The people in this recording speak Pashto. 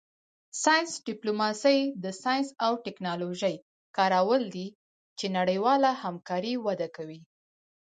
ساینس ډیپلوماسي د ساینس او ټیکنالوژۍ کارول دي چې نړیواله همکاري وده کوي